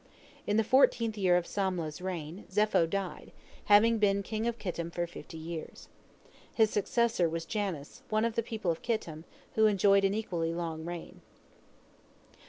In the fourteenth year of Samlah's reign, Zepho died, having been king of Kittim for fifty years. His successor was Janus, one of the people of Kittim, who enjoyed an equally long reign.